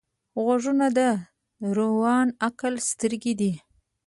غوږونه د روڼ عقل سترګې دي